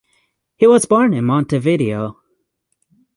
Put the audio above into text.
He was born in Montevideo.